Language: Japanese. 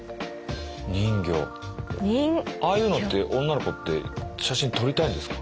人魚ああいうのって女の子って写真撮りたいんですか？